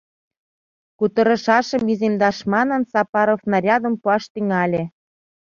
Кутырышашым иземдаш манын, Сапаров нарядым пуаш тӱҥале.